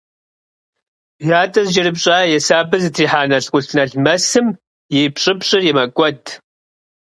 Ятӏэ зыкӏэрыпщӏа е сабэ зытрихьа налкъутналмэсым и пщӏыпщӏыр мэкӏуэд.